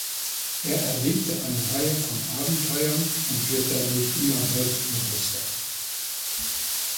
Er erlebt eine Reihe von Abenteuern und wird dadurch immer selbstbewusster.